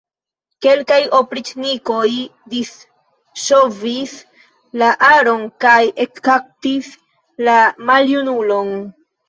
Kelkaj opriĉnikoj disŝovis la aron kaj ekkaptis la maljunulon.